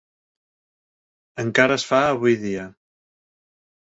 Encara es fa avui dia.